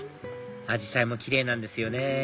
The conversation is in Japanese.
アジサイも奇麗なんですよね